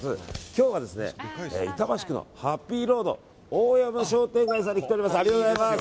今日は板橋区のハッピーロード大山商店街さんに来ております。